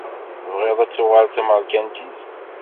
TebƔiḍ ad tuƔaleḍ d tamaṛkantit?